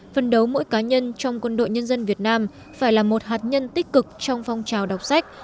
phần đấu mỗi cá nhân trong quân đội nhân dân việt nam phải là một hạt nhân tích cực trong phong trào đọc sách